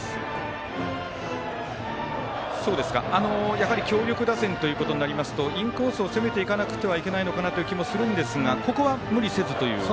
やはり強力打線ということになりますとインコースを攻めていかなくてはいけないのかなという気はするんですがここは無理せずという？